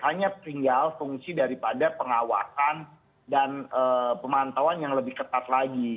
hanya tinggal fungsi daripada pengawasan dan pemantauan yang lebih ketat lagi